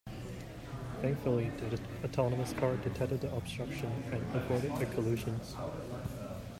Thankfully the autonomous car detected the obstruction and avoided a collision.